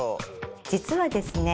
実はですね